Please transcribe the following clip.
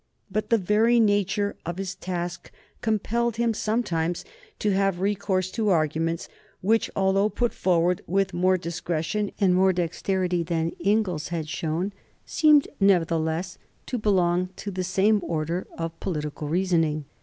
But the very nature of his task compelled him sometimes to have recourse to arguments which, although put forward with more discretion and more dexterity than Inglis had shown, seemed nevertheless to belong to the same order of political reasoning.